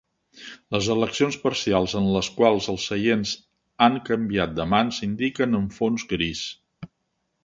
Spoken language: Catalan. Les eleccions parcials en les quals els seients han canviat de mans s'indiquen en fons gris.